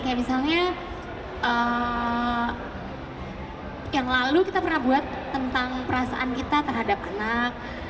kayak misalnya yang lalu kita pernah buat tentang perasaan kita terhadap anak